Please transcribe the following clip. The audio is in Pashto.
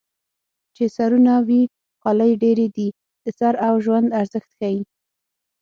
چې سرونه وي خولۍ ډېرې دي د سر او ژوند ارزښت ښيي